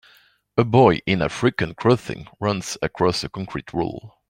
A boy in african clothing runs across a concrete wall